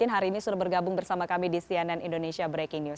hari ini sudah bergabung bersama kami di cnn indonesia breaking news